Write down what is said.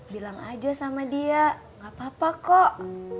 bilang aja sama dia nggak papa kok